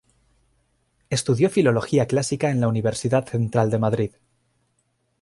Estudió Filología Clásica en la Universidad Central de Madrid.